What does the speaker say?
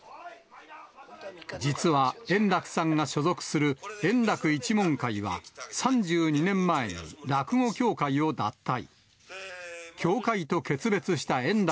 実は、円楽さんが所属する円楽一門会は、３２年前に落語協会を脱退。